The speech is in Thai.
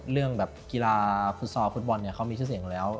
เรื่องแบบกีฬาฟุตซอลฟุตบอลเนี่ยเขามีชื่อเสียงอยู่แล้ว